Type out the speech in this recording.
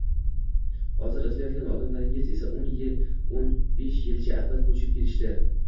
— Hozir izlayotgan odamlaringiz esa o`n besh yilcha avval ko`chib kelishdi